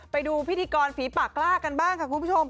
ไปดูพิธีกรฝีปากกล้ากันบ้างค่ะคุณผู้ชม